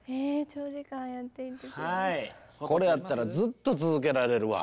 これやったらずっと続けられるわ。